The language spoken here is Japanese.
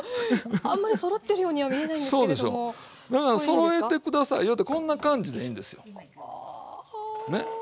そろえて下さいよってこんな感じでいいんですよね。